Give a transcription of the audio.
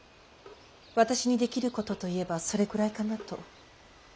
私にできることといえばそれくらいかなと。